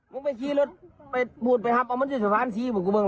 มึงไปคีย์รถไปบูดไปฮับเอามันจุดสะพานทีบอกกูมึงหรอ